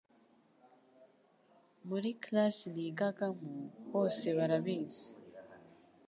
Muri classe nigagamo, bose barabizi